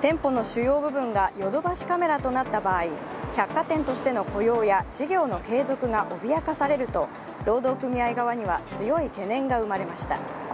店舗の主要部分がヨドバシカメラとなった場合、百市奠都しての雇用や事業の継続が脅かされると、労働組合側には強い懸念が生まれました。